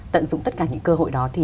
tận dụng tất cả những cơ hội đó